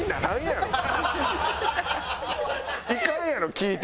行かんやろ聞いても。